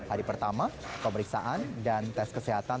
hari pertama pemeriksaan dan tes kesehatan